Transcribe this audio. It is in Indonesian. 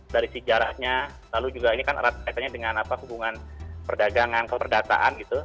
dari sejarahnya lalu juga ini kan erat kaitannya dengan hubungan perdagangan keperdataan gitu